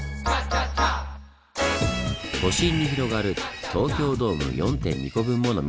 都心に広がる東京ドーム４．２個分もの緑。